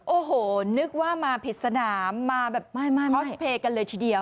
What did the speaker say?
โอ้โหนึกว่ามาผิดสนามมาแบบออสเพย์กันเลยทีเดียว